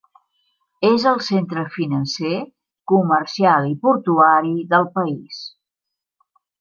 És el centre financer, comercial i portuari del país.